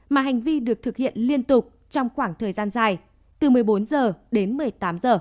mà hành vi được thực hiện liên tục trong khoảng thời gian dài từ một mươi bốn h đến một mươi tám h